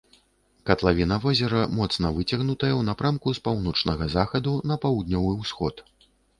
Катлавіна возера моцна выцягнутая ў напрамку з паўночнага захаду на паўднёвы ўсход.